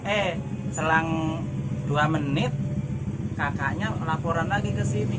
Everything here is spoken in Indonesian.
eh selang dua menit kakaknya laporan lagi ke sini